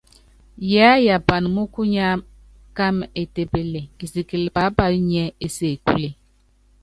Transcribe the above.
Yiáyapan múkunya kámɛ étépeple, kisikilɛ pápayo nyiɛ́ ésekúle.